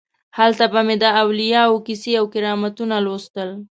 هلته به مې د اولیاو کیسې او کرامتونه لوستل.